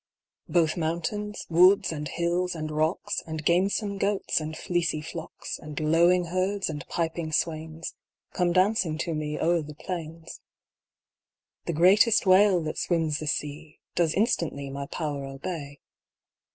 Both mountains, woods, and hills, and rocks And gamesome goats, and fleecy flocks, And lowing herds, and piping swains, Come dancing to me o'er the plains. The greatest whale that swims the sea Does instantly my power obey.